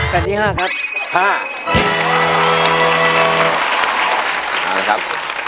แผ่นที่๕ครับ